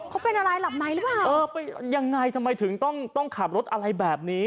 เขาเป็นอะไรหลับในหรือเปล่าเออไปยังไงทำไมถึงต้องต้องขับรถอะไรแบบนี้